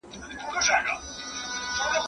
که توري سره سم نه وي ماشین نښه لګوي.